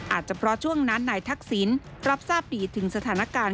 อาจจะเพราะช่วงนั้นนายทักษิณรับทราบดีถึงสถานการณ์